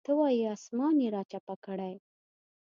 ته وایې اسمان یې راچپه کړی.